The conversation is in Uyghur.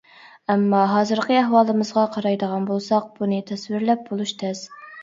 ئەمما ھازىرقى ئەھۋالىمىزغا قارايدىغان بولساق بۇنى تەسۋىرلەپ بولۇش تەس!